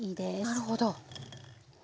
なるほど。